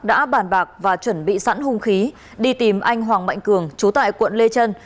đã bàn bạc và chuẩn bị sẵn hùng khí đi tìm anh hoàng mạnh cường chú tại quận lê trân